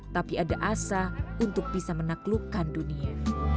tapi ada asa untuk bisa menaklukkan dunia